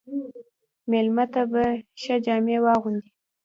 مېلمه ته به ښه جامې واغوندې.